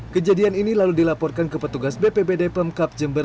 kejadian ini lalu dilaporkan ke petugas bpbd pemkap jember